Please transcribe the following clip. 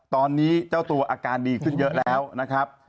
ตอนนี้เจ้าตัวอาการดีขึ้นเยอะแล้วนะครับ